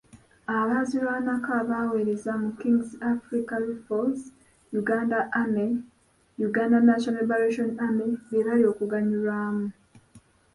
Abaazirwanako abaaweereza mu Kings Africa Rifles, Uganda Army, Uganda National Liberation Army, be baali okuganyulwamu.